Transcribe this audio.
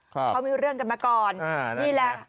เขามีเรื่องกันมาก่อนนี่แหละ